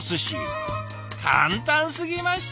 簡単すぎました。